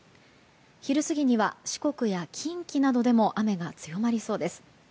昼過ぎには四国や近畿などでも雨が強まりそうです。